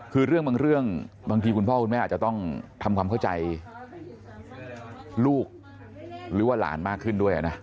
คือเรื่องบางเรื่องบางทีคุณพ่อคุณแม่อาจจะต้องทำความเข้าใจลูกหรือว่าหลานมากขึ้นด้วยนะ